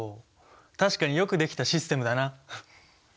確かによくできたシステムだな！